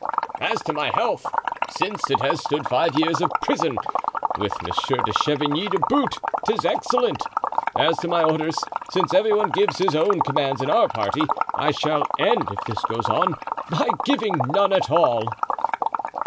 "As to my health, since it has stood five years of prison, with Monsieur de Chavigny to boot, 'tis excellent! As to my orders, since every one gives his own commands in our party, I shall end, if this goes on, by giving none at all."